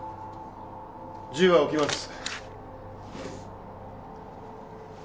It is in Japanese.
銃は置きます。